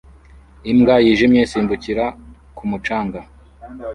imbwa yijimye isimbukira ku mucanga